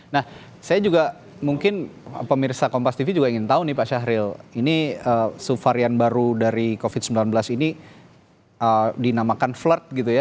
nah saya juga mungkin pemirsa kompas tv juga ingin tahu nih pak syahril ini subvarian baru dari covid sembilan belas ini dinamakan flat gitu ya